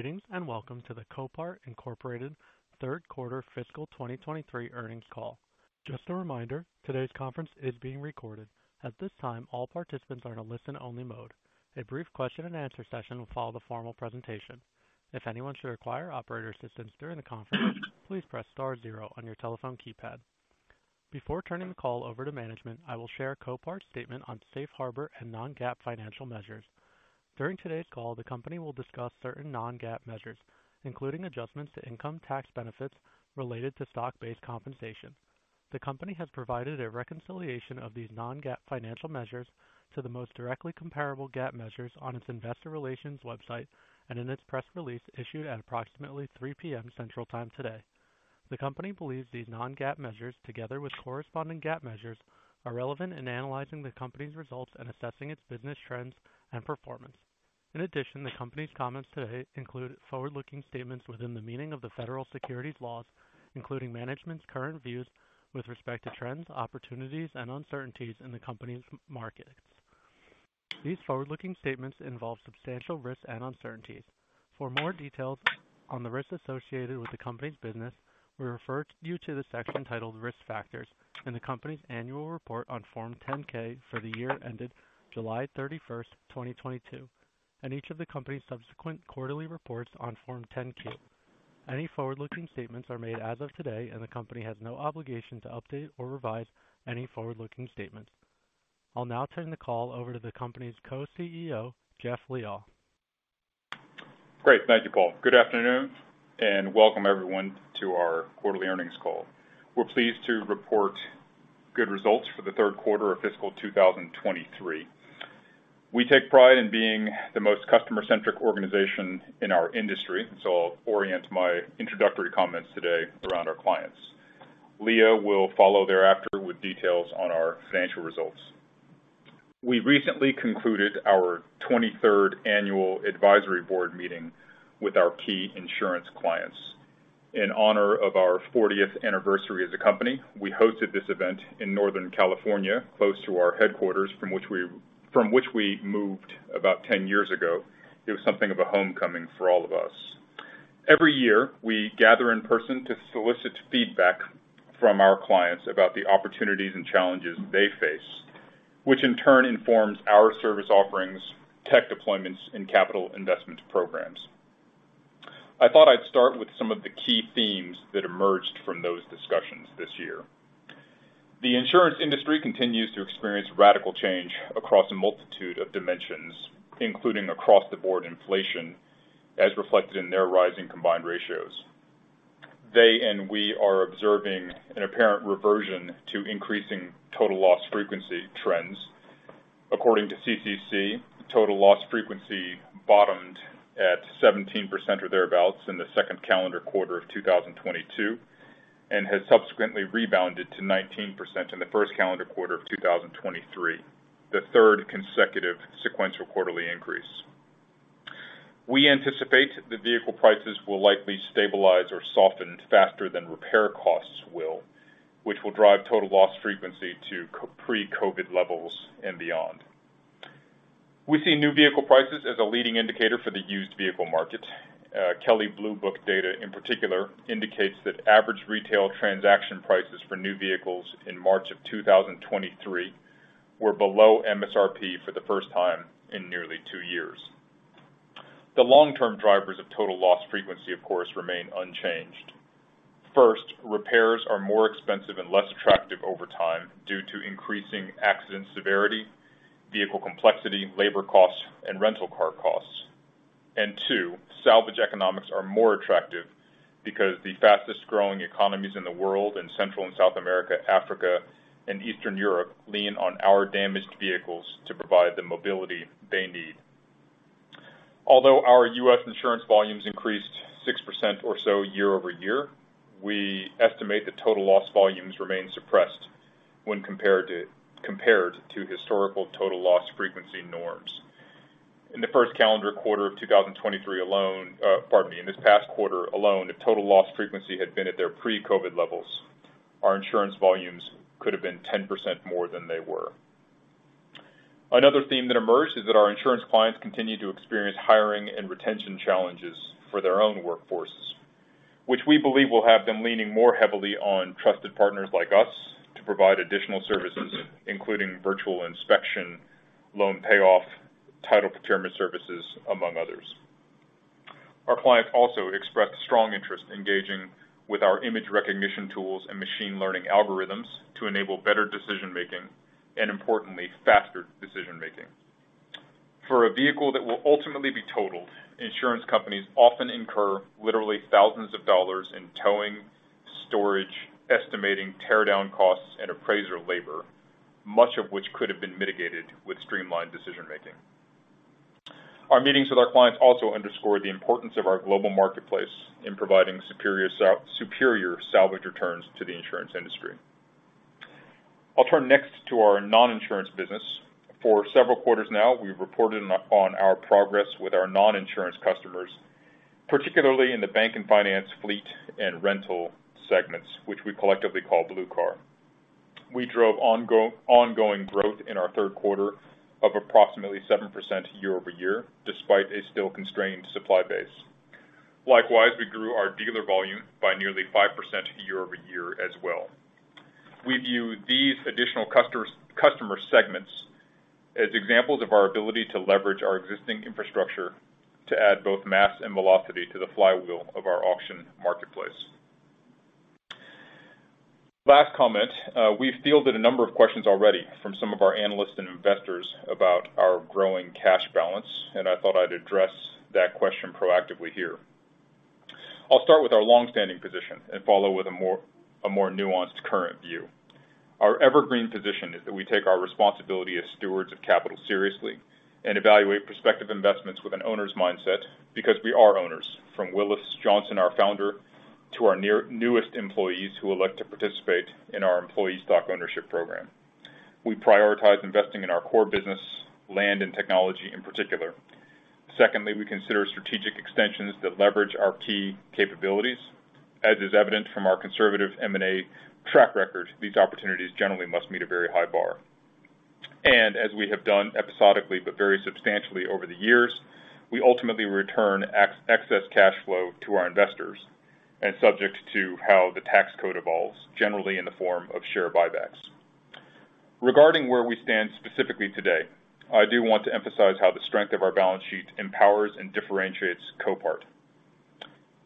Greetings, and welcome to the Copart Incorporated 3rd quarter fiscal 2023 earnings call. Just a reminder, today's conference is being recorded. At this time, all participants are in a listen-only mode. A brief question-and-answer session will follow the formal presentation. If anyone should require operator assistance during the conference, please press star zero on your telephone keypad. Before turning the call over to management, I will share Copart's statement on safe harbor and non-GAAP financial measures. During today's call, the company will discuss certain non-GAAP measures, including adjustments to income tax benefits related to stock-based compensation. The company has provided a reconciliation of these non-GAAP financial measures to the most directly comparable GAAP measures on its investor relations website and in its press release issued at approximately 3:00 P.M. Central Time today. The company believes these non-GAAP measures, together with corresponding GAAP measures, are relevant in analyzing the company's results and assessing its business trends and performance. In addition, the company's comments today include forward-looking statements within the meaning of the federal securities laws, including management's current views with respect to trends, opportunities, and uncertainties in the company's markets. These forward-looking statements involve substantial risks and uncertainties. For more details on the risks associated with the company's business, we refer you to the section titled "Risk Factors" in the company's annual report on Form 10-K for the year ended July 31st, 2022, and each of the company's subsequent quarterly reports on Form 10-Q. Any forward-looking statements are made as of today, and the company has no obligation to update or revise any forward-looking statements. I'll now turn the call over to the company's Co-CEO, Jeffrey Liaw. Great. Thank you, Paul. Good afternoon, welcome everyone to our quarterly earnings call. We're pleased to report good results for the 3rd quarter of fiscal 2023. We take pride in being the most customer-centric organization in our industry. I'll orient my introductory comments today around our clients. Leah will follow thereafter with details on our financial results. We recently concluded our 23rd annual advisory board meeting with our key insurance clients. In honor of our 40th anniversary as a company, we hosted this event in Northern California, close to our headquarters, from which we moved about 10 years ago. It was something of a homecoming for all of us. Every year, we gather in person to solicit feedback from our clients about the opportunities and challenges they face, which in turn informs our service offerings, tech deployments, and capital investment programs. I thought I'd start with some of the key themes that emerged from those discussions this year. The insurance industry continues to experience radical change across a multitude of dimensions, including across-the-board inflation, as reflected in their rising combined ratios. They and we are observing an apparent reversion to increasing total loss frequency trends. According to CCC, total loss frequency bottomed at 17% or thereabouts in the second calendar quarter of 2022 and has subsequently rebounded to 19% in the first calendar quarter of 2023, the third consecutive sequential quarterly increase. We anticipate the vehicle prices will likely stabilize or soften faster than repair costs will, which will drive total loss frequency to co-pre-COVID levels and beyond. We see new vehicle prices as a leading indicator for the used vehicle market. Kelley Blue Book data in particular indicates that average retail transaction prices for new vehicles in March of 2023 were below MSRP for the first time in nearly two years. The long-term drivers of total loss frequency, of course, remain unchanged. First, repairs are more expensive and less attractive over time due to increasing accident severity, vehicle complexity, labor costs, and rental car costs. Two, salvage economics are more attractive because the fastest-growing economies in the world in Central and South America, Africa, and Eastern Europe lean on our damaged vehicles to provide the mobility they need. Although our U.S. insurance volumes increased 6% or so year-over-year, we estimate the total loss volumes remain suppressed when compared to historical total loss frequency norms. In the first calendar quarter of 2023 alone, pardon me, in this past quarter alone, if total loss frequency had been at their pre-COVID levels, our insurance volumes could have been 10% more than they were. Another theme that emerged is that our insurance clients continue to experience hiring and retention challenges for their own workforces, which we believe will have them leaning more heavily on trusted partners like us to provide additional services, including virtual inspection, loan payoff, title procurement services, among others. Our clients also expressed strong interest in engaging with our image recognition tools and machine learning algorithms to enable better decision-making and, importantly, faster decision-making. For a vehicle that will ultimately be totaled, insurance companies often incur literally thousands of dollars in towing, storage, estimating, tear down costs, and appraiser labor, much of which could have been mitigated with streamlined decision-making. Our meetings with our clients also underscore the importance of our global marketplace in providing superior salvage returns to the insurance industry. I'll turn next to our non-insurance business. For several quarters now, we've reported on our progress with our non-insurance customers, particularly in the bank and finance fleet and rental segments, which we collectively call Blue Car. We drove ongoing growth in our 3rd quarter of approximately 7% year-over-year, despite a still constrained supply base. Likewise, we grew our dealer volume by nearly 5% year-over-year as well. We view these additional customer segments as examples of our ability to leverage our existing infrastructure to add both mass and velocity to the flywheel of our auction marketplace. Last comment. We've fielded a number of questions already from some of our analysts and investors about our growing cash balance. I thought I'd address that question proactively here. I'll start with our long-standing position and follow with a more nuanced current view. Our evergreen position is that we take our responsibility as stewards of capital seriously and evaluate prospective investments with an owner's mindset because we are owners. From Willis Johnson, our founder, to our newest employees who elect to participate in our employee stock ownership program. We prioritize investing in our core business, land and technology in particular. Secondly, we consider strategic extensions that leverage our key capabilities. As is evident from our conservative M&A track record, these opportunities generally must meet a very high bar. As we have done episodically but very substantially over the years, we ultimately return ex-excess cash flow to our investors, and subject to how the tax code evolves, generally in the form of share buybacks. Regarding where we stand specifically today, I do want to emphasize how the strength of our balance sheet empowers and differentiates Copart.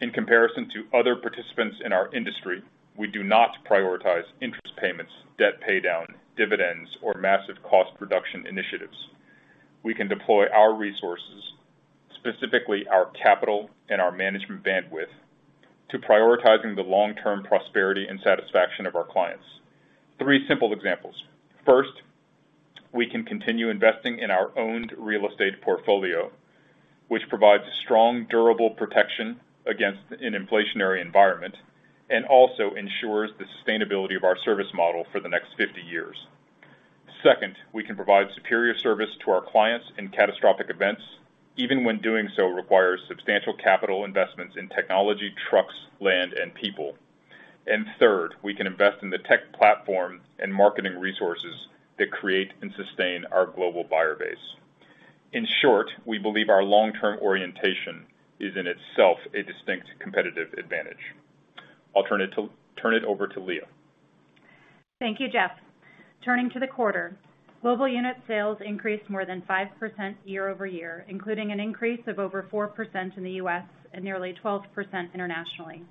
In comparison to other participants in our industry, we do not prioritize interest payments, debt paydown, dividends, or massive cost reduction initiatives. We can deploy our resources, specifically our capital and our management bandwidth, to prioritizing the long-term prosperity and satisfaction of our clients. Three simple examples. First, we can continue investing in our owned real estate portfolio, which provides strong, durable protection against an inflationary environment and also ensures the sustainability of our service model for the next 50 years. Second, we can provide superior service to our clients in catastrophic events, even when doing so requires substantial capital investments in technology, trucks, land, and people. Third, we can invest in the tech platform and marketing resources that create and sustain our global buyer base. In short, we believe our long-term orientation is in itself a distinct competitive advantage. I'll turn it over to Leah. Thank you, Jeffrey Liaw. Turning to the quarter. Global unit sales increased more than 5% year-over-year, including an increase of over 4% in the U.S. and nearly 12% internationally.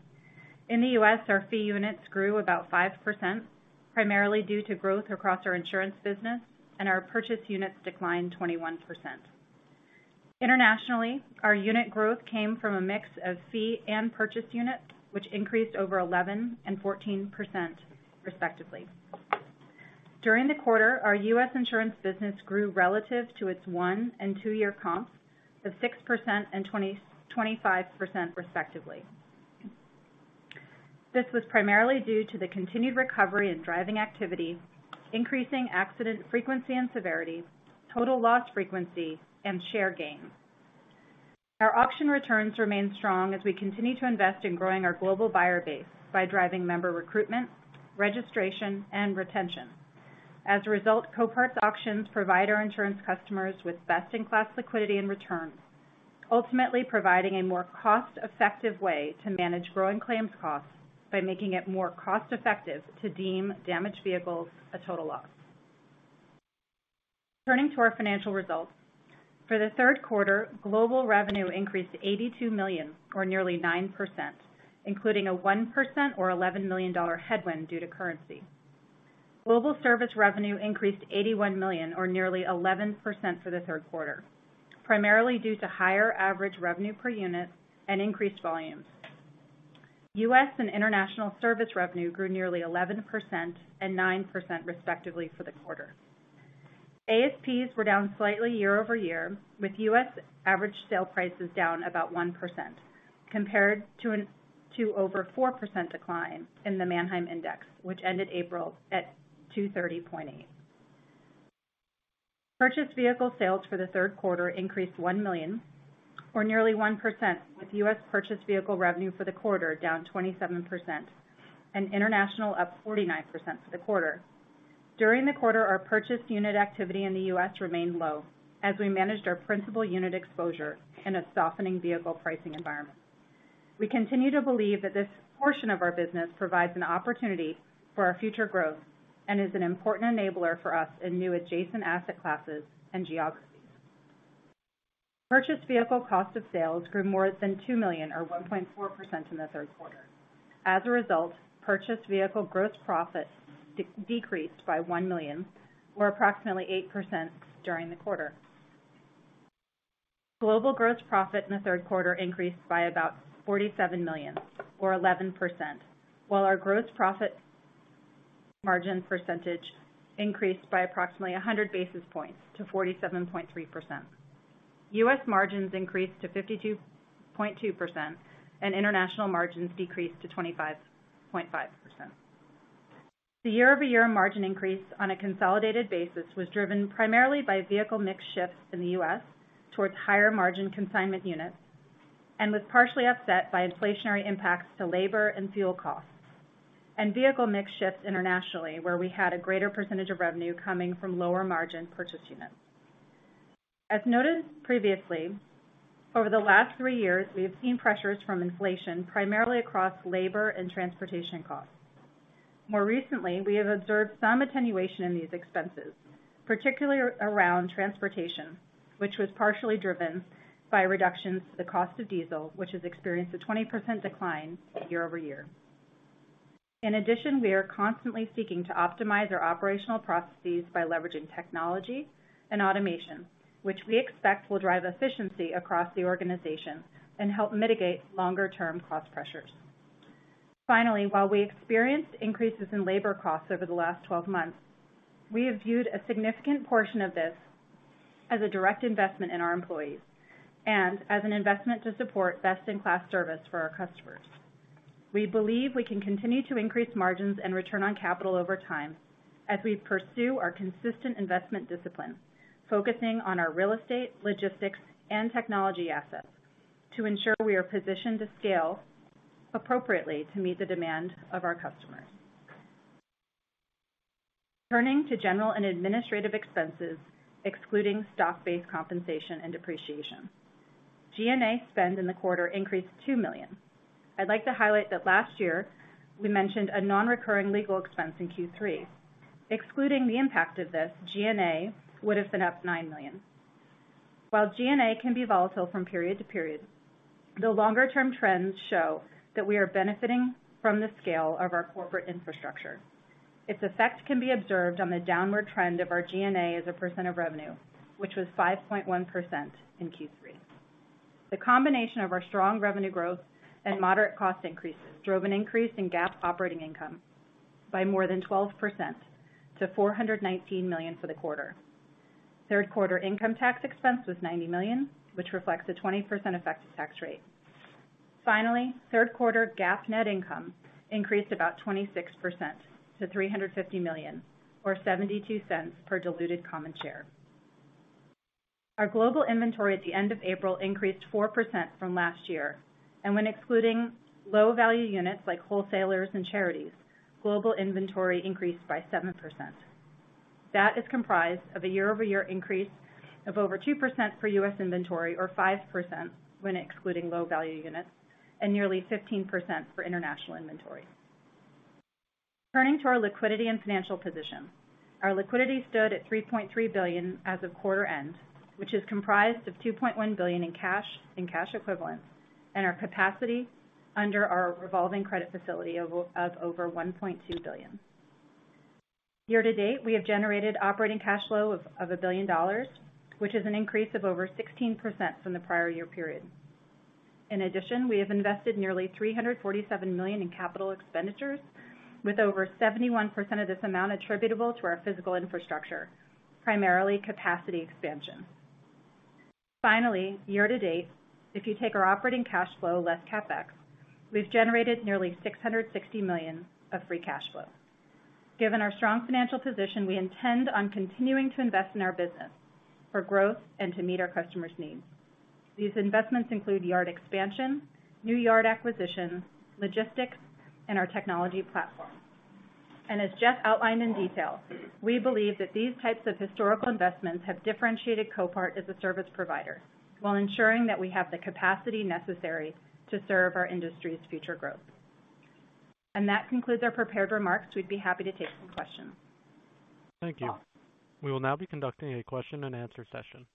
In the U.S., our fee units grew about 5%, primarily due to growth across our insurance business, and our purchase units declined 21%. Internationally, our unit growth came from a mix of fee and purchase units, which increased over 11% and 14% respectively. During the quarter, our U.S. insurance business grew relative to its one and two-year comps of 6% and 25% respectively. This was primarily due to the continued recovery in driving activity, increasing accident frequency and severity, total loss frequency, and share gain. Our auction returns remain strong as we continue to invest in growing our global buyer base by driving member recruitment, registration, and retention. As a result, Copart's auctions provide our insurance customers with best-in-class liquidity and returns, ultimately providing a more cost-effective way to manage growing claims costs by making it more cost-effective to deem damaged vehicles a total loss. Turning to our financial results. For the 3rd quarter, global revenue increased $82 million, or nearly 9%, including a 1% or $11 million headwind due to currency. Global service revenue increased $81 million or nearly 11% for the 3rd quarter, primarily due to higher average revenue per unit and increased volumes. U.S. and international service revenue grew nearly 11% and 9% respectively for the quarter. ASPs were down slightly year-over-year, with U.S. average sale prices down about 1% compared to over 4% decline in the Manheim Index, which ended April at 230.8. Purchased vehicle sales for the 3rd quarter increased $1 million or nearly 1%, with U.S. purchased vehicle revenue for the quarter down 27% and international up 49% for the quarter. During the quarter, our purchased unit activity in the U.S. remained low as we managed our principal unit exposure in a softening vehicle pricing environment. We continue to believe that this portion of our business provides an opportunity for our future growth and is an important enabler for us in new adjacent asset classes and geographies. Purchased vehicle cost of sales grew more than $2 million or 1.4% in the 3rd quarter. As a result, purchased vehicle gross profit decreased by $1 million, or approximately 8% during the quarter. Global gross profit in the 3rd quarter increased by about $47 million or 11%, while our gross profit margin % increased by approximately 100 basis points to 47.3%. U.S. margins increased to 52.2%, and international margins decreased to 25.5%. The year-over-year margin increase on a consolidated basis was driven primarily by vehicle mix shifts in the U.S. towards higher-margin consignment units. Was partially upset by inflationary impacts to labor and fuel costs and vehicle mix shifts internationally, where we had a greater % of revenue coming from lower margin purchase units. As noted previously, over the last 3 years, we have seen pressures from inflation, primarily across labor and transportation costs. More recently, we have observed some attenuation in these expenses, particularly around transportation, which was partially driven by reductions to the cost of diesel, which has experienced a 20% decline year-over-year. We are constantly seeking to optimize our operational processes by leveraging technology and automation, which we expect will drive efficiency across the organization and help mitigate longer term cost pressures. While we experienced increases in labor costs over the last 12 months, we have viewed a significant portion of this as a direct investment in our employees and as an investment to support best in class service for our customers. We believe we can continue to increase margins and return on capital over time as we pursue our consistent investment discipline, focusing on our real estate, logistics and technology assets to ensure we are positioned to scale appropriately to meet the demand of our customers. Turning to general and administrative expenses, excluding stock-based compensation and depreciation. GNA spend in the quarter increased $2 million. I'd like to highlight that last year we mentioned a non-recurring legal expense in Q3. Excluding the impact of this, GNA would have been up $9 million. While GNA can be volatile from period to period, the longer term trends show that we are benefiting from the scale of our corporate infrastructure. Its effect can be observed on the downward trend of our GNA as a % of revenue, which was 5.1% in Q3. The combination of our strong revenue growth and moderate cost increases drove an increase in GAAP operating income by more than 12% to $419 million for the quarter. Third quarter income tax expense was $90 million, which reflects a 20% effective tax rate. Third quarter GAAP net income increased about 26% to $350 million, or $0.72 per diluted common share. Our global inventory at the end of April increased 4% from last year, and when excluding low value units like wholesalers and charities, global inventory increased by 7%. That is comprised of a year-over-year increase of over 2% for U.S. inventory, or 5% when excluding low value units and nearly 15% for international inventory. Turning to our liquidity and financial position. Our liquidity stood at $3.3 billion as of quarter end, which is comprised of $2.1 billion in cash and cash equivalents and our capacity under our revolving credit facility of over $1.2 billion. Year-to-date, we have generated operating cash flow of $1 billion, which is an increase of over 16% from the prior year period. We have invested nearly $347 million in CapEx, with over 71% of this amount attributable to our physical infrastructure, primarily capacity expansion. Year-to-date, if you take our operating cash flow less CapEx, we've generated nearly $660 million of free cash flow. Given our strong financial position, we intend on continuing to invest in our business for growth and to meet our customers' needs. These investments include yard expansion, new yard acquisitions, logistics and our technology platform. As Jeff outlined in detail, we believe that these types of historical investments have differentiated Copart as a service provider while ensuring that we have the capacity necessary to serve our industry's future growth. That concludes our prepared remarks. We'd be happy to take some questions. Thank you. We will now be conducting a question-and-answer session.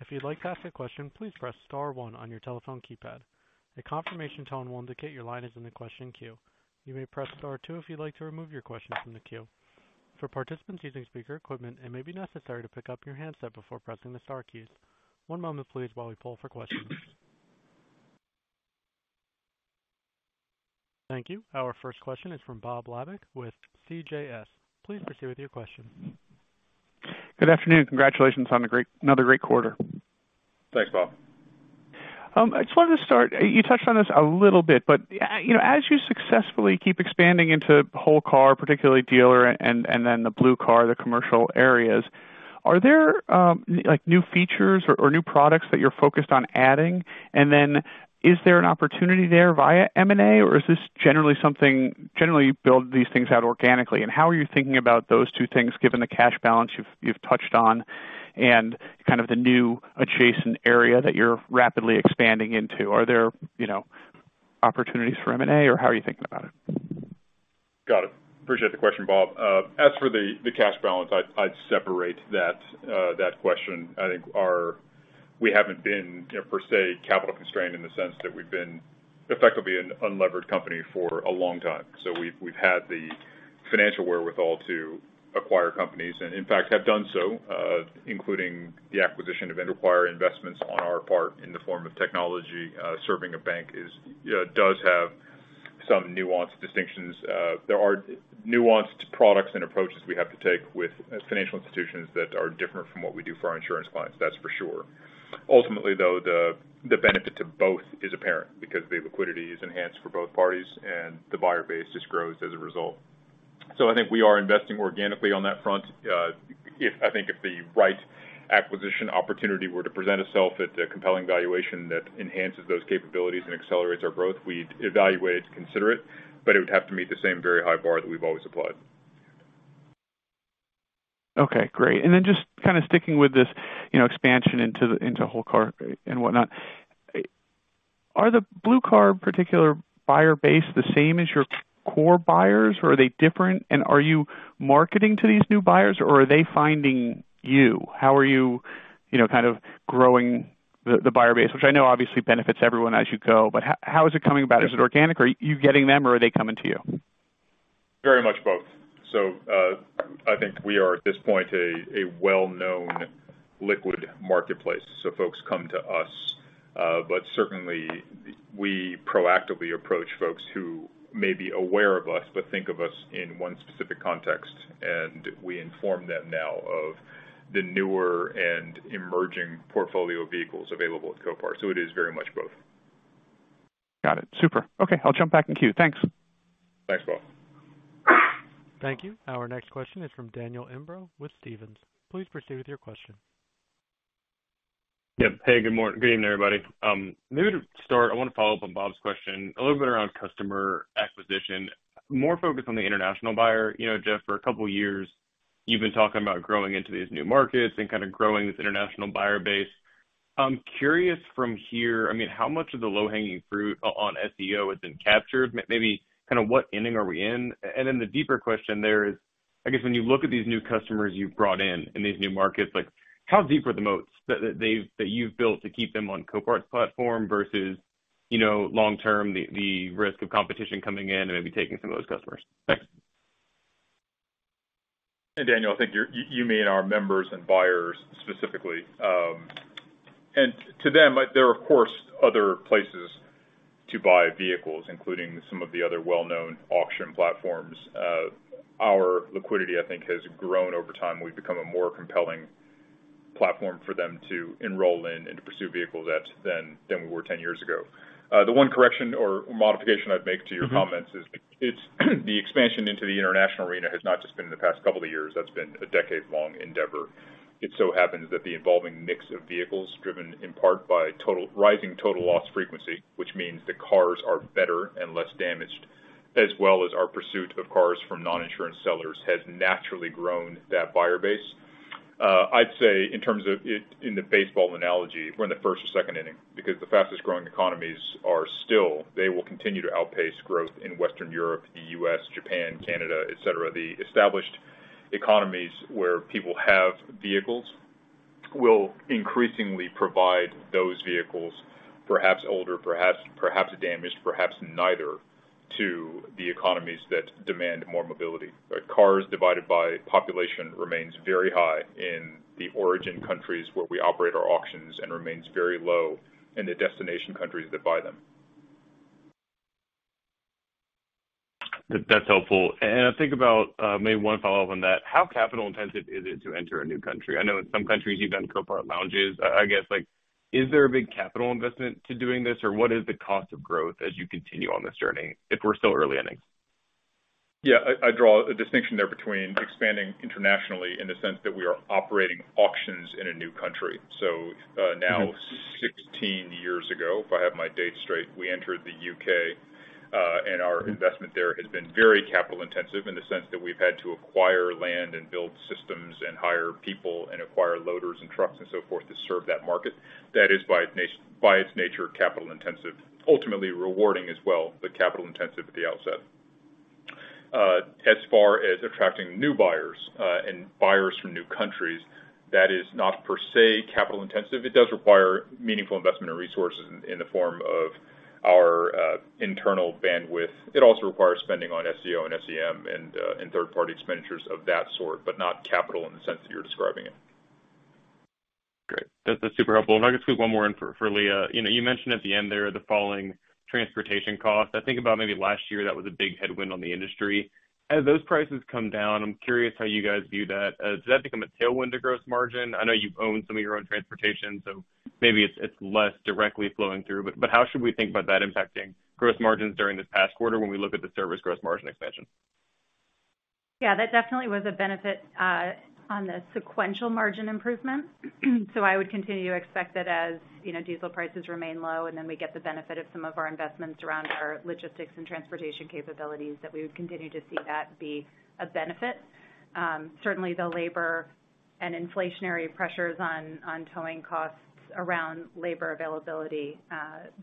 If you'd like to ask a question, please press star one on your telephone keypad. A confirmation tone will indicate your line is in the question queue. You may press star two if you'd like to remove your question from the queue. For participants using speaker equipment, it may be necessary to pick up your handset before pressing the star keys. One moment please while we pull for questions. Thank you. Our first question is from Bob Labick with CJS. Please proceed with your question. Good afternoon. Congratulations on another great quarter. Thanks, Bob. I just wanted to start, you touched on this a little bit, but, you know, as you successfully keep expanding into whole car, particularly dealer and then the Blue Car, the commercial areas, are there, like, new features or new products that you're focused on adding? Is there an opportunity there via M&A, or is this generally build these things out organically? How are you thinking about those two things, given the cash balance you've touched on and kind of the new adjacent area that you're rapidly expanding into? Are there, you know, opportunities for M&A or how are you thinking about it? Got it. Appreciate the question, Bob. As for the cash balance, I'd separate that question. I think we haven't been per se capital constrained in the sense that we've been effectively an unlevered company for a long time. We've had the financial wherewithal to acquire companies and in fact have done so, including the acquisition of end require investments on our part in the form of technology. Serving a bank is, you know, does have some nuanced distinctions. There are nuanced products and approaches we have to take with financial institutions that are different from what we do for our insurance clients. That's for sure. Ultimately, though, the benefit to both is apparent because the liquidity is enhanced for both parties and the buyer base just grows as a result. I think we are investing organically on that front. I think if the right acquisition opportunity were to present itself at a compelling valuation that enhances those capabilities and accelerates our growth, we'd evaluate it to consider it, but it would have to meet the same very high bar that we've always applied. Okay, great. Just kinda sticking with this, you know, expansion into whole car and whatnot. Are the Blue Car particular buyer base the same as your core buyers, or are they different? Are you marketing to these new buyers or are they finding you? How are you know, kind of growing the buyer base? Which I know obviously benefits everyone as you go, but how is it coming about? Is it organic? Are you getting them or are they coming to you? Very much both. I think we are, at this point, a well-known liquid marketplace, so folks come to us. Certainly we proactively approach folks who may be aware of us but think of us in one specific context, and we inform them now of the newer and emerging portfolio of vehicles available at Copart. It is very much both. Got it. Super. Okay, I'll jump back in queue. Thanks. Thanks, Bob. Thank you. Our next question is from Daniel Imbro with Stephens. Please proceed with your question. Yeah. Hey, good evening, everybody. Maybe to start, I wanna follow up on Bob's question a little bit around customer acquisition, more focused on the international buyer. You know, Jeff, for a couple years, you've been talking about growing into these new markets and kinda growing this international buyer base. I'm curious from here, I mean, how much of the low-hanging fruit on SEO has been captured? Maybe kinda what inning are we in? Then the deeper question there is, I guess when you look at these new customers you've brought in in these new markets, like how deep are the moats that you've built to keep them on Copart's platform versus, you know, long term, the risk of competition coming in and maybe taking some of those customers? Thanks. Hey, Daniel. I think you mean our members and buyers specifically. To them, there are, of course, other places to buy vehicles, including some of the other well-known auction platforms. Our liquidity, I think, has grown over time. We've become a more compelling platform for them to enroll in and to pursue vehicles at than we were 10 years ago. The one correction or modification I'd make to your comments is it's the expansion into the international arena has not just been in the past couple of years. That's been a decade-long endeavor. It so happens that the evolving mix of vehicles driven in part by rising total loss frequency, which means the cars are better and less damaged, as well as our pursuit of cars from non-insurance sellers, has naturally grown that buyer base. I'd say in terms of it in the baseball analogy, we're in the first or second inning because the fastest growing economies are still, they will continue to outpace growth in Western Europe, the U.S., Japan, Canada, et cetera. The established economies where people have vehicles will increasingly provide those vehicles, perhaps older, perhaps damaged, perhaps neither, to the economies that demand more mobility. Cars divided by population remains very high in the origin countries where we operate our auctions and remains very low in the destination countries that buy them. That's helpful. I think about maybe one follow-up on that. How capital-intensive is it to enter a new country? I know in some countries you've done Copart Lounges. I guess, like is there a big capital investment to doing this? What is the cost of growth as you continue on this journey if we're still early innings? Yeah. I draw a distinction there between expanding internationally in the sense that we are operating auctions in a new country. Now 16 years ago, if I have my dates straight, we entered the U.K., and our investment there has been very capital-intensive in the sense that we've had to acquire land and build systems and hire people and acquire loaders and trucks and so forth to serve that market. That is, by its nature, capital intensive. Ultimately rewarding as well, but capital intensive at the outset. As far as attracting new buyers, and buyers from new countries, that is not per se capital intensive. It does require meaningful investment and resources in the form of our internal bandwidth. It also requires spending on SEO and SEM and 3rd-party expenditures of that sort, but not capital in the sense that you're describing it. Great. That's super helpful. I'll just squeeze one more in for Leah. You know, you mentioned at the end there the falling transportation costs. I think about maybe last year, that was a big headwind on the industry. As those prices come down, I'm curious how you guys view that. Does that become a tailwind to gross margin? I know you've owned some of your own transportation, so maybe it's less directly flowing through. But how should we think about that impacting gross margins during this past quarter when we look at the service gross margin expansion? Yeah, that definitely was a benefit on the sequential margin improvement. I would continue to expect that as, you know, diesel prices remain low, and then we get the benefit of some of our investments around our logistics and transportation capabilities, that we would continue to see that be a benefit. Certainly the labor and inflationary pressures on towing costs around labor availability,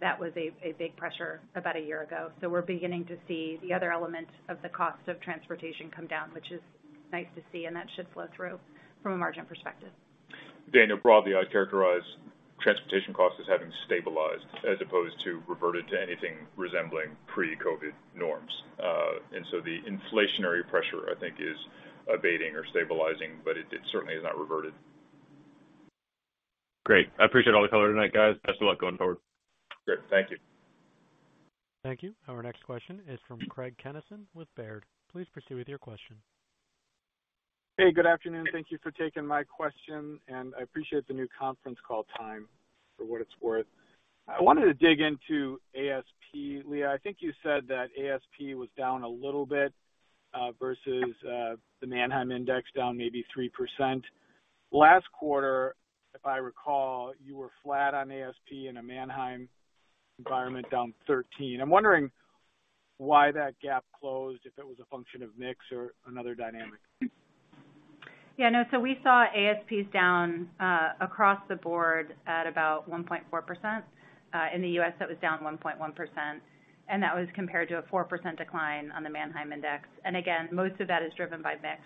that was a big pressure about a year ago. We're beginning to see the other elements of the cost of transportation come down, which is nice to see, and that should flow through from a margin perspective. Daniel, broadly, I'd characterize transportation costs as having stabilized as opposed to reverted to anything resembling pre-COVID norms. The inflationary pressure, I think is abating or stabilizing, but it certainly has not reverted. Great. I appreciate all the color tonight, guys. Best of luck going forward. Great. Thank you. Thank you. Our next question is from Craig Kennison with Baird. Please proceed with your question. Hey, good afternoon. Thank you for taking my question, and I appreciate the new conference call time for what it's worth. I wanted to dig into ASP. Leah, I think you said that ASP was down a little bit versus the Manheim Index down maybe 3%. Last quarter, if I recall, you were flat on ASP in a Manheim environment down 13%. I'm wondering why that gap closed, if it was a function of mix or another dynamic. Yeah, no. We saw ASPs down across the board at about 1.4%. In the U.S., that was down 1.1%, and that was compared to a 4% decline on the Manheim Index. Again, most of that is driven by mix.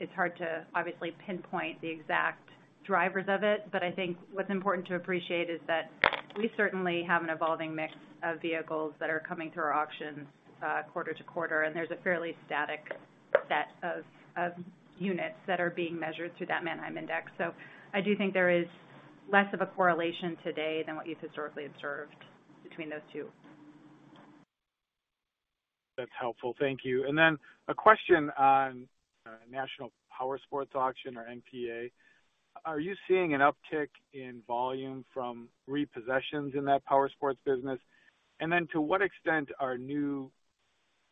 It's hard to obviously pinpoint the exact drivers of it, but I think what's important to appreciate is that we certainly have an evolving mix of vehicles that are coming through our auctions quarter-to-quarter, and there's a fairly static set of units that are being measured through that Manheim Index. I do think there is less of a correlation today than what you historically observed between those two. That's helpful. Thank you. A question on National Powersport Auctions or NPA. Are you seeing an uptick in volume from repossessions in that powersports business? To what extent are new,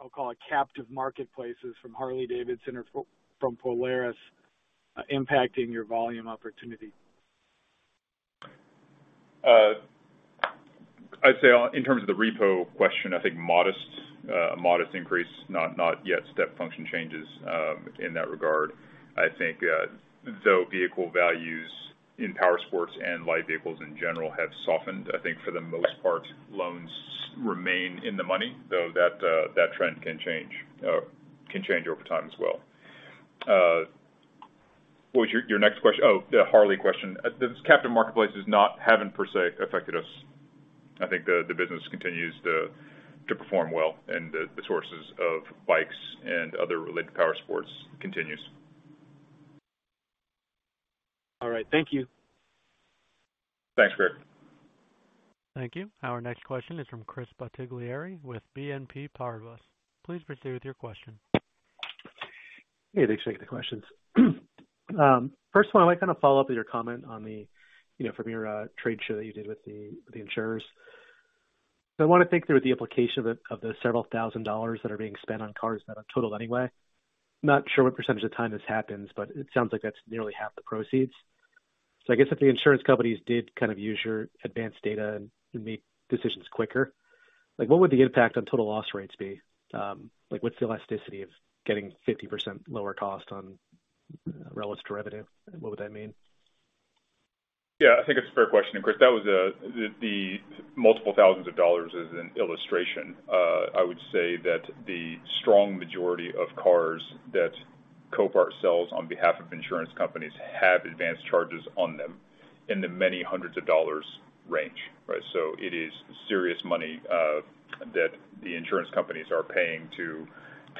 I'll call it, captive marketplaces from Harley-Davidson or from Polaris impacting your volume opportunity? I'd say in terms of the repo question, I think modest increase, not yet step function changes in that regard. I think though vehicle values in powersports and light vehicles in general have softened, I think for the most part, loans remain in the money, though that trend can change over time as well. What was your next question? Oh, the Harley question. The captive marketplace is not haven't per se affected us. I think the business continues to perform well and the sources of bikes and other related powersports continues. All right. Thank you. Thanks, Greg. Thank you. Our next question is from Chris Bottiglieri with BNP Paribas. Please proceed with your question. Hey, thanks for taking the questions. First one, I like kinda follow up with your comment on the, you know, from your trade show that you did with the insurers. I wanna think through the implication of the several thousand dollars that are being spent on cars that are totaled anyway. Not sure what percentage of the time this happens, but it sounds like that's nearly half the proceeds. I guess if the insurance companies did kind of use your advanced data and make decisions quicker, like what would the impact on total loss rates be? Like, what's the elasticity of getting 50% lower cost on relative to revenue? What would that mean? Yeah, I think it's a fair question. Chris, that was, the multiple thousands of dollars is an illustration. I would say that the strong majority of cars that Copart sells on behalf of insurance companies have advanced charges on them in the many hundreds of dollars range, right? It is serious money, that the insurance companies are paying to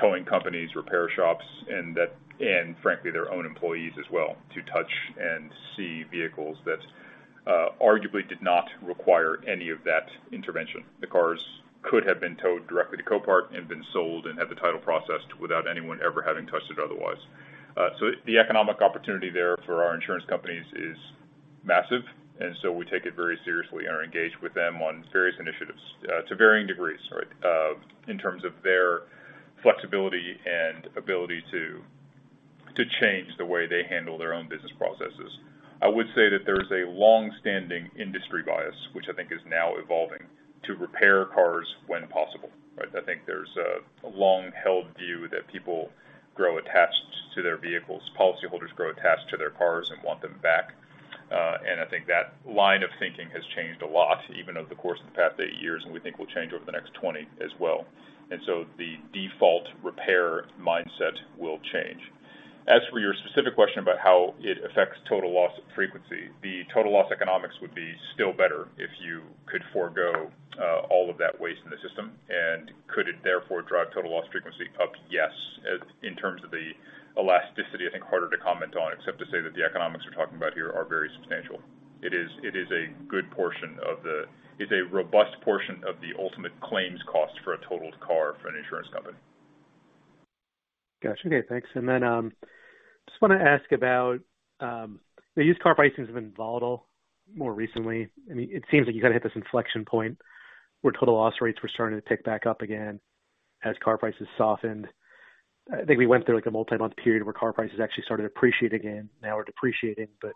towing companies, repair shops, and that, and frankly, their own employees as well, to touch and see vehicles that, arguably did not require any of that intervention. The cars could have been towed directly to Copart and been sold and had the title processed without anyone ever having touched it otherwise. The economic opportunity there for our insurance companies is massive, and so we take it very seriously and are engaged with them on various initiatives, to varying degrees, right? In terms of their flexibility and ability to change the way they handle their own business processes. I would say that there is a long-standing industry bias, which I think is now evolving, to repair cars when possible, right? I think there's a long-held view that people grow attached to their vehicles, policyholders grow attached to their cars and want them back. I think that line of thinking has changed a lot, even over the course of the past eight years, and we think will change over the next 20 as well. The default repair mindset will change. As for your specific question about how it affects total loss frequency, the total loss economics would be still better if you could forgo all of that waste in the system. Could it therefore drive total loss frequency up? Yes. In terms of the elasticity, I think harder to comment on except to say that the economics we're talking about here are very substantial. It's a robust portion of the ultimate claims cost for a totaled car for an insurance company. Got you. Okay, thanks. Just wanna ask about the used car pricing has been volatile more recently. I mean, it seems like you kinda hit this inflection point where total loss rates were starting to tick back up again as car prices softened. I think we went through like a multi-month period where car prices actually started to appreciate again. Now we're depreciating, but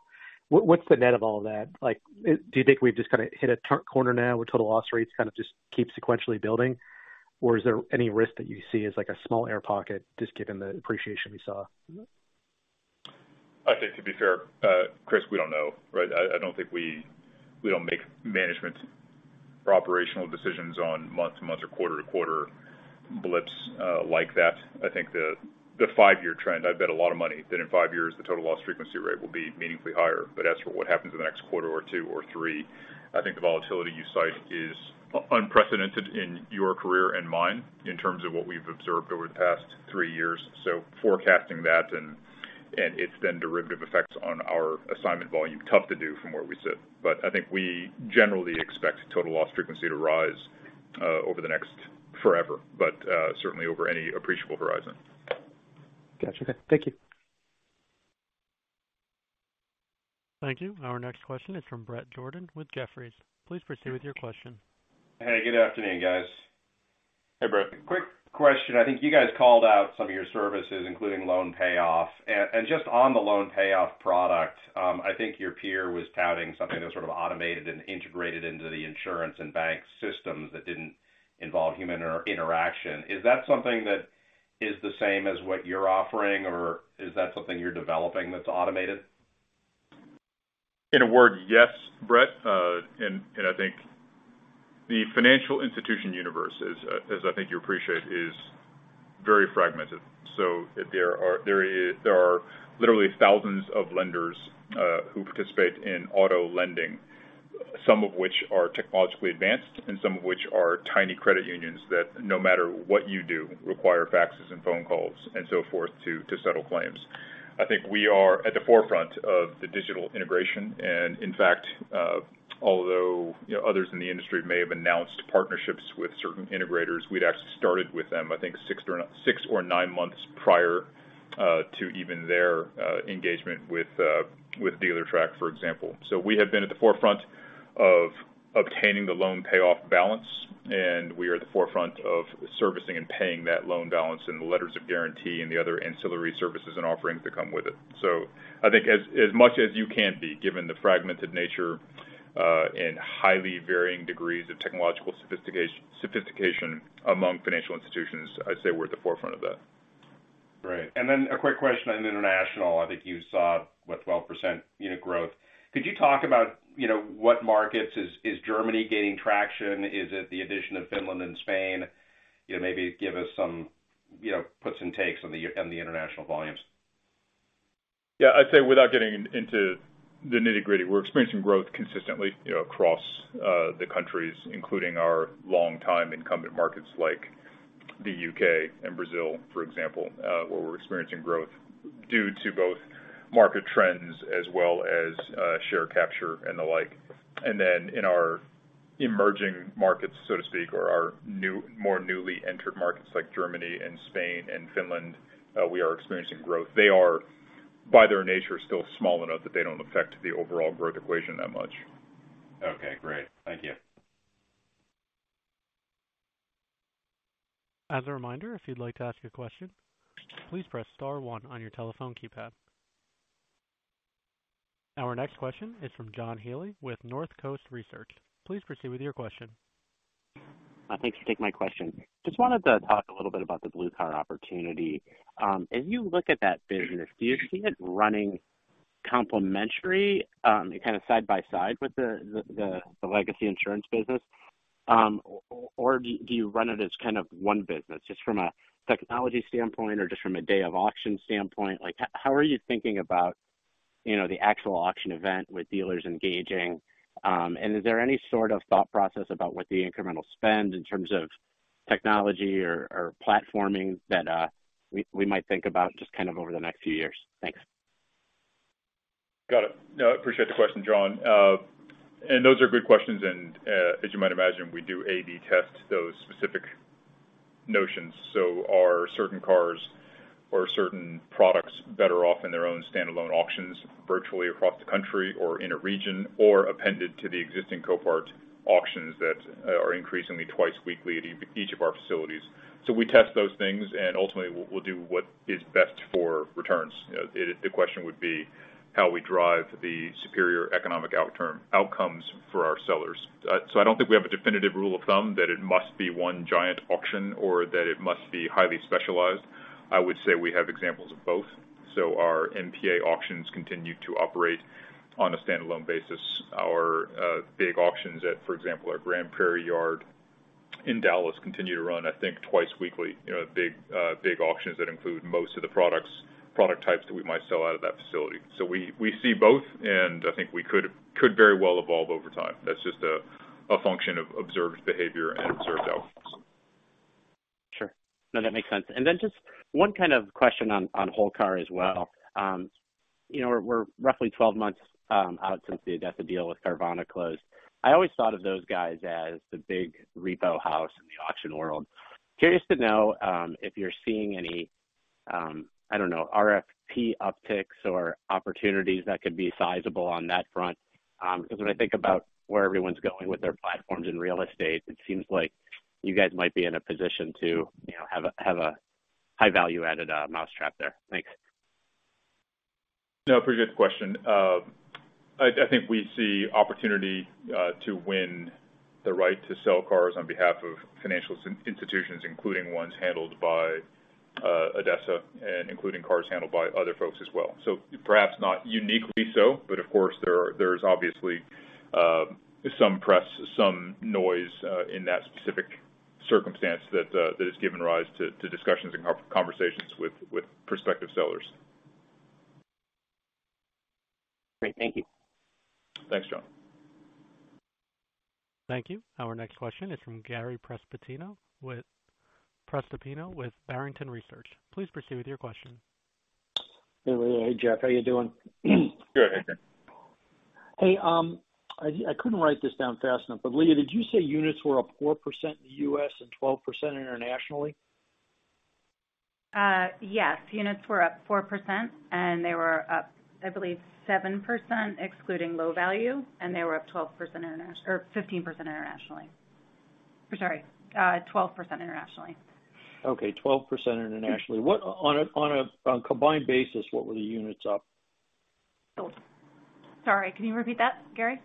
what's the net of all that? Like, do you think we've just kinda hit a turn corner now where total loss rates kind of just keep sequentially building? Is there any risk that you see as like a small air pocket just given the appreciation we saw? I'd say to be fair, Chris, we don't know, right? I don't think we don't make management or operational decisions on month to month or quarter to quarter blips, like that. I think the five-year trend, I'd bet a lot of money that in five years, the total loss frequency rate will be meaningfully higher. As for what happens in the next quarter or two or three, I think the volatility you cite is unprecedented in your career and mine in terms of what we've observed over the past three years. Forecasting that and its then derivative effects on our assignment volume. Tough to do from where we sit, but I think we generally expect total loss frequency to rise over the next forever, but certainly over any appreciable horizon. Gotcha. Thank you. Thank you. Our next question is from Bret Jordan with Jefferies. Please proceed with your question. Hey, good afternoon, guys. Hey, Bret. Quick question. I think you guys called out some of your services, including loan payoff. Just on the loan payoff product, I think your peer was touting something that was sort of automated and integrated into the insurance and bank systems that didn't involve human interaction. Is that something that is the same as what you're offering, or is that something you're developing that's automated? In a word, yes, Bret. And I think the financial institution universe is, as I think you appreciate, is very fragmented. There are literally thousands of lenders, who participate in auto lending, some of which are technologically advanced and some of which are tiny credit unions that, no matter what you do, require faxes and phone calls and so forth to settle claims. I think we are at the forefront of the digital integration. In fact, although, you know, others in the industry may have announced partnerships with certain integrators, we'd actually started with them, I think six or nine months prior to even their engagement with Dealertrack, for example. We have been at the forefront of obtaining the loan payoff balance, and we are at the forefront of servicing and paying that loan balance and the letters of guarantee and the other ancillary services and offerings that come with it. I think as much as you can be, given the fragmented nature, and highly varying degrees of technological sophistication among financial institutions, I'd say we're at the forefront of that. Right. Then a quick question on international. I think you saw, what, 12% unit growth. Could you talk about, you know, what markets? Is Germany gaining traction? Is it the addition of Finland and Spain? You know, maybe give us some, you know, puts and takes on the international volumes. Yeah. I'd say without getting into the nitty-gritty, we're experiencing growth consistently, you know, across the countries, including our longtime incumbent markets like the U.K. and Brazil, for example, where we're experiencing growth due to both market trends as well as share capture and the like. In our emerging markets, so to speak, or our more newly entered markets like Germany and Spain and Finland, we are experiencing growth. They are, by their nature, still small enough that they don't affect the overall growth equation that much. Okay, great. Thank you. As a reminder, if you'd like to ask a question, please press star one on your telephone keypad. Our next question is from John Healy with Northcoast Research. Please proceed with your question. Thanks for taking my question. Just wanted to talk a little bit about the Blue Car opportunity. As you look at that business, do you see it running complementary, and kind of side by side with the legacy insurance business? Or do you run it as kind of one business, just from a technology standpoint or just from a day of auction standpoint? How are you thinking about, you know, the actual auction event with dealers engaging? Is there any sort of thought process about what the incremental spend in terms of technology or platforming that we might think about just kind of over the next few years? Thanks. Got it. No, I appreciate the question, John. Those are good questions. As you might imagine, we do A/B test those specific notions. Are certain cars or certain products better off in their own standalone auctions virtually across the country or in a region or appended to the existing Copart auctions that are increasingly twice weekly at each of our facilities. We test those things, and ultimately, we'll do what is best for returns. You know, the question would be how we drive the superior economic outcomes for our sellers. I don't think we have a definitive rule of thumb that it must be one giant auction or that it must be highly specialized. I would say we have examples of both. Our NPA auctions continue to operate on a standalone basis. Our big auctions at, for example, our Grand Prairie Yard in Dallas continue to run, I think, twice weekly, you know, big big auctions that include most of the product types that we might sell out of that facility. We see both, and I think we could very well evolve over time. That's just a function of observed behavior and observed outcomes. Sure. No, that makes sense. Just one kind of question on whole car as well. you know, we're roughly 12 months out since the ADESA deal with Carvana closed. I always thought of those guys as the big repo house in the auction world. Curious to know if you're seeing any, I don't know, RFP upticks or opportunities that could be sizable on that front. because when I think about where everyone's going with their platforms in real estate, it seems like you guys might be in a position to, you know, have a high value-added mousetrap there. Thanks. No, appreciate the question. I think we see opportunity to win the right to sell cars on behalf of financial institutions, including ones handled by ADESA and including cars handled by other folks as well. Perhaps not uniquely so, but of course, there's obviously some press, some noise in that specific circumstance that has given rise to discussions and conversations with prospective sellers. Great. Thank you. Thanks, John. Thank you. Our next question is from Gary Prestopino with Barrington Research. Please proceed with your question. Hey, Leah. Hey, Jeff, how you doing? Good. Hey, I couldn't write this down fast enough, Leah, did you say units were up 4% in the U.S. and 12% internationally? Yes. Units were up 4% and they were up, I believe, 7% excluding low value, or 15% internationally. I'm sorry, 12% internationally. Okay, 12% internationally. On a combined basis, what were the units up? Sorry, can you repeat that, Gary?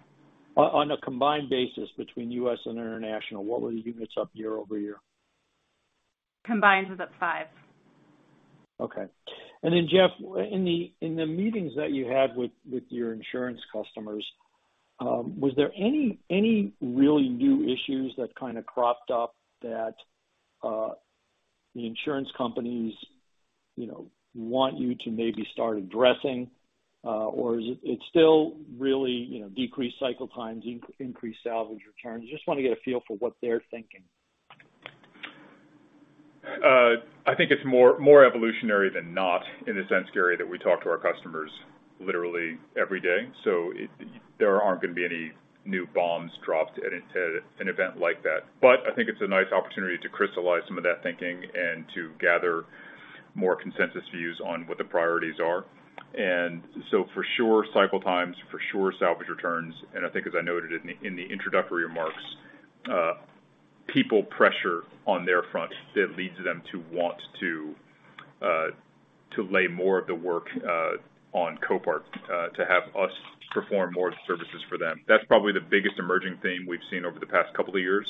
On a combined basis between U.S. and international, what were the units up year-over-year? Combined was up 5%. Okay. Then, Jeff, in the, in the meetings that you had with your insurance customers, was there any really new issues that kind of cropped up that the insurance companies, you know, want you to maybe start addressing? Is it still really, you know, decreased cycle times, increased salvage returns? Just wanna get a feel for what they're thinking. I think it's more evolutionary than not in the sense, Gary, that we talk to our customers literally every day, so there aren't gonna be any new bombs dropped at an event like that. I think it's a nice opportunity to crystallize some of that thinking and to gather more consensus views on what the priorities are. For sure, cycle times, for sure salvage returns, and I think as I noted in the introductory remarks, people pressure on their front that leads them to want to lay more of the work on Copart to have us perform more services for them. That's probably the biggest emerging theme we've seen over the past couple of years.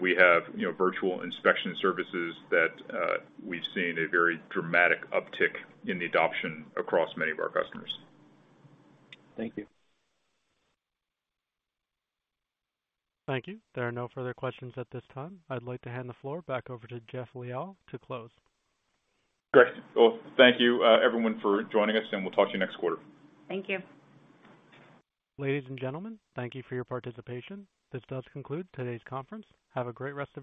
We have, you know, virtual inspection services that we've seen a very dramatic uptick in the adoption across many of our customers. Thank you. Thank you. There are no further questions at this time. I'd like to hand the floor back over to Jeffrey Liaw to close. Great. Well, thank you, everyone, for joining us, and we'll talk to you next quarter. Thank you. Ladies and gentlemen, thank you for your participation. This does conclude today's conference. Have a great rest of your day.